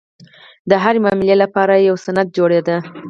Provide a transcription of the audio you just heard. د هرې معاملې لپاره یو سند جوړېده.